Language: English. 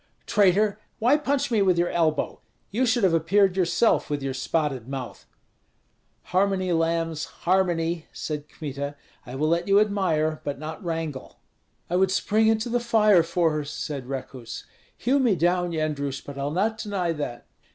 "Traitor! why punch me with your elbow? You should have appeared yourself, with your spotted mouth." "Harmony, lambs, harmony!" said Kmita; "I will let you admire, but not wrangle." "I would spring into the fire for her," said Rekuts. "Hew me down, Yendrus, but I'll not deny that."